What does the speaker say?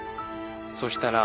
そしたら。